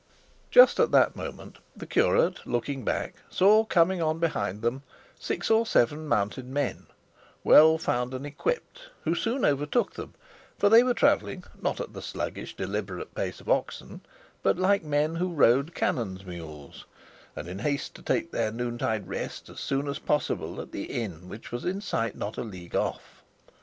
Just at that moment the curate, looking back, saw coming on behind them six or seven mounted men, well found and equipped, who soon overtook them, for they were travelling, not at the sluggish, deliberate pace of oxen, but like men who rode canons' mules, and in haste to take their noontide rest as soon as possible at the inn which was in sight not a league off.